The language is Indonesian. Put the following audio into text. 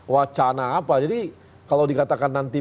wacana apa jadi kalau dikatakan nanti